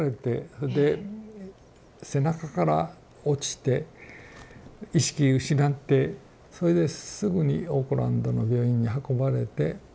それで背中から落ちて意識失ってそれですぐにオークランドの病院に運ばれて。